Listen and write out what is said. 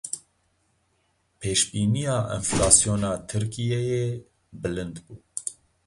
Pêşbîniya enflasyona Tirkiyeyê bilind bû.